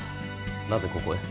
なぜここへ。